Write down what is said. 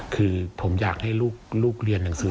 คือผมอยากให้ลูกเรียนหนังสือ